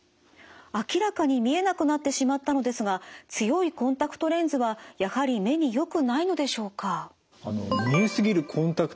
明らかに見えなくなってしまったのですが強いコンタクトレンズはやはり目によくないのでしょうか？